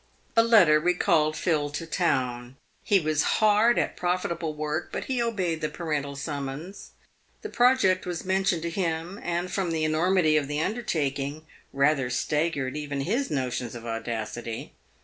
A letter recalled Phil to town. He was hard at profitable work, but he obeyed the parental summons. The project was mentioned to him, and, from the enormity of the undertaking, rather staggered even his notions of audacity.